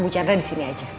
bu chandra disini aja